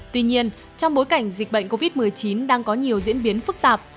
tuy nhiên trong bối cảnh dịch bệnh covid một mươi chín đang có nhiều diễn biến phức tạp